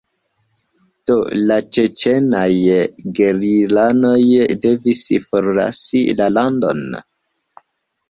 Do la ĉeĉenaj gerilanoj devis forlasi la landon.